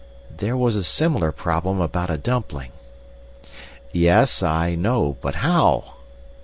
"There was a similar problem about a dumpling." "Yes, I know. But how?"